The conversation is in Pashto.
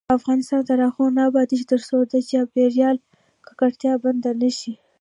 افغانستان تر هغو نه ابادیږي، ترڅو د چاپیریال ککړتیا بنده نشي.